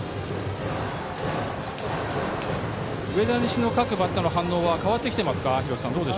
上田西の各バッターの反応変わっていますか。